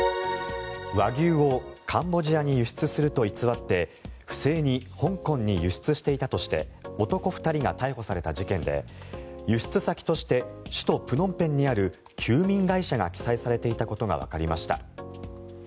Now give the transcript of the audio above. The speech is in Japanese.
和牛をカンボジアに輸出すると偽って不正に香港に輸出していたとして男２人が逮捕された事件で輸出先として首都プノンペンにある休眠会社が記載されていたことがわかりました。